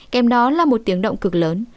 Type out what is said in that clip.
kèm đó là một tiếng động cực lớn